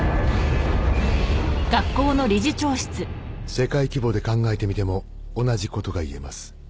世界規模で考えてみても同じことが言えます